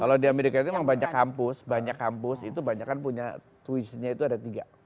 kalau di amerika itu memang banyak kampus banyak kampus itu banyak kan punya twistnya itu ada tiga